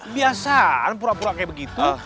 biasa kan pura pura kayak begitu